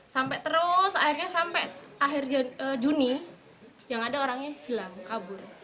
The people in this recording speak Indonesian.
sampai terus akhirnya sampai akhir juni yang ada orangnya hilang kabur